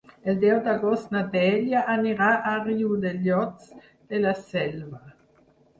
El deu d'agost na Dèlia anirà a Riudellots de la Selva.